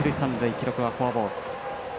記録はフォアボール。